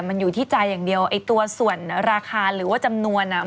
มันอยู่ที่ใจอย่างเดียวไอ้ตัวส่วนราคาหรือว่าจำนวนอ่ะ